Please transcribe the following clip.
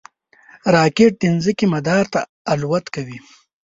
راکټ د ځمکې مدار ته الوت کوي